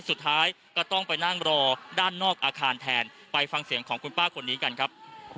สุดท้ายก็ต้องไปนั่งรอด้านนอกอาคารแทนไปฟังเสียงของคุณป้าคนนี้กันครับ